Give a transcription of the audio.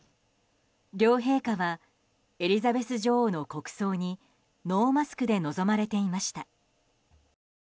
両陛下はエリザベス女王の国葬にノーマスクで臨まれていました。